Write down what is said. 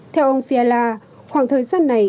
theo ông fiala khoảng thời gian này ít nhất là hai ba năm